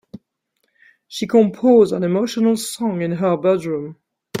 She composed an emotional song in her bedroom.